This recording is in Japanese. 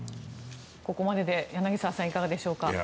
ここまでで柳澤さん、いかがでしょうか。